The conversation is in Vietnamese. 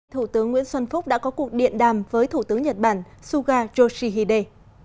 thủ tướng nguyễn xuân phúc đã có cuộc điện đàm với thủ tướng nhật bản suga yoshihide